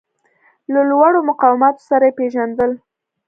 له لوړو مقاماتو سره یې پېژندل.